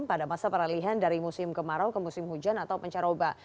pada masa peralihan dari musim kemarau ke musim hujan atau pencaroba